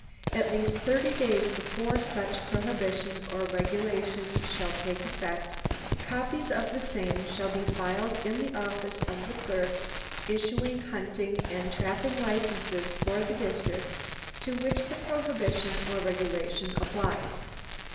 At least thirty days before such prohibition or regulation shall take effect, copies of the same shall be filed in the office of the clerk issuing hunting and trapping licenses for the district to which the prohibition or regulation applies.